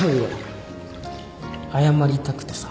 謝りたくてさ。